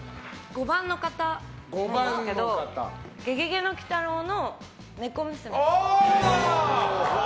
５番の方なんですけど「ゲゲゲの鬼太郎」の猫娘。